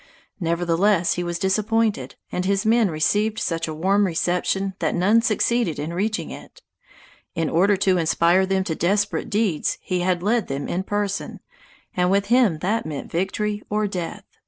Nevertheless he was disappointed, and his men received such a warm reception that none succeeded in reaching it. In order to inspire them to desperate deeds he had led them in person, and with him that meant victory or death.